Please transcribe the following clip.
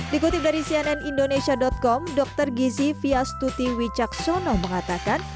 dikutip dari cnn indonesia com dr gizi fias tuti wicaksono mengatakan